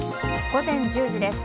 午前１０時です。